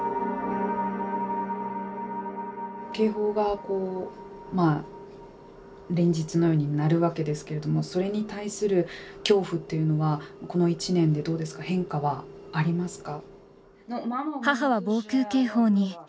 警報が連日のように鳴るわけですけれどもそれに対する恐怖というのはこの１年でどうですか変化はありますか。